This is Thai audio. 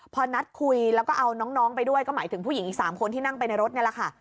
พอนัดคุยแล้วก็เอาน้องไปด้วยก็หมายถึงผู้หญิงอีก๓คนที่นั่งไปในรถนี่แหละค่ะ